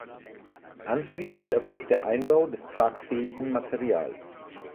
Anschließend erfolgt der Einbau des tragfähigen Materials.